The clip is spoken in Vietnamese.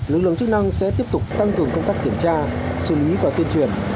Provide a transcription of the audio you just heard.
lực lượng chức năng sẽ tiếp tục tăng cường công tác kiểm tra xử lý và tuyên truyền